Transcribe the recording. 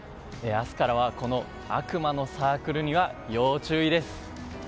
明日からはこの悪魔のサークルには要注意です。